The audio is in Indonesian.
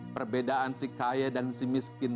perbedaan si kaya dan si miskin